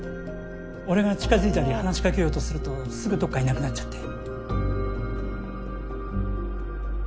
俺が近づいたり話しかけようとするとすぐどっかいなくなっちゃって。